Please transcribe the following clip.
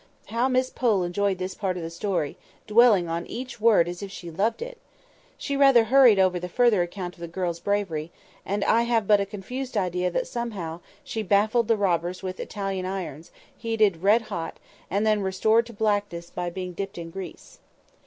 (How Miss Pole enjoyed this part of the story, dwelling on each word as if she loved it!) She rather hurried over the further account of the girl's bravery, and I have but a confused idea that, somehow, she baffled the robbers with Italian irons, heated red hot, and then restored to blackness by being dipped in grease.